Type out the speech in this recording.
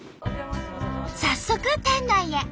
早速店内へ。